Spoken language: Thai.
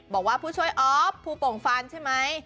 บอกว่าผู้ช่วยออฟภูโป่งฟานใช่ไหม